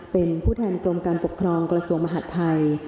เป็นผู้แทนกรมการปกครองกระทรวงมหาดไทย